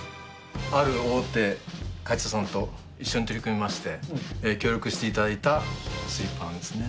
ある大手会社さんと一緒に取り組みまして、協力していただいたスリッパなんですね。